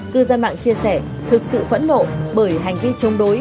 cư dân mạng chia sẻ thực sự phẫn nộ bởi hành vi chống đối